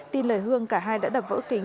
tin lời hương cả hai đã đập vỡ kính